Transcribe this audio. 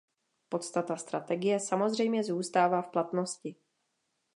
Podstata strategie samozřejmě zůstává v platnosti.